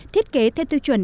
thiết kế theo tiêu chuẩn